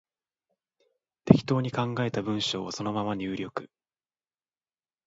適当に考えた文章をそのまま入力